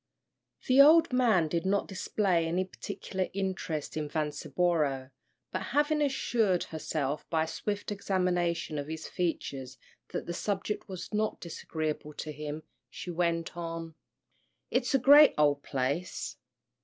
The old man did not display any particular interest in Vanceboro, but having assured herself by a swift examination of his features that the subject was not disagreeable to him, she went on, "It's a great ole place.